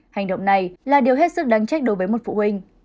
hành động này là điều hết sức đáng trách đối với một phụ huynh